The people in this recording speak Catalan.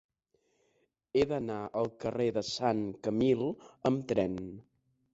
He d'anar al carrer de Sant Camil amb tren.